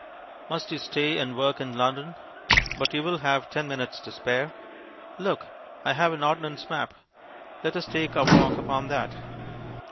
Must you stay and work in London? But you will have ten minutes to spare. Look, I have an ordnance map let us take our walk upon that.